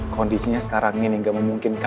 kondisinya sekarang ini gak memungkinkan